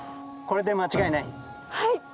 これで間違いない？